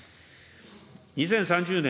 ２０３０年